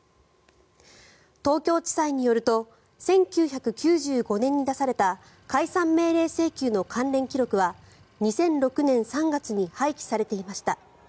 東京地裁によると１９９５年に出された解散命令請求の関連記録は２００６年３月に廃棄されていました。